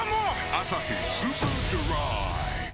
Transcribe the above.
「アサヒスーパードライ」